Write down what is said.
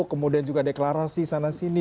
kemudian juga deklarasi sana sini